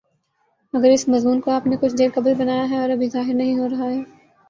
اگر اس مضمون کو آپ نے کچھ دیر قبل بنایا ہے اور ابھی ظاہر نہیں ہو رہا ہے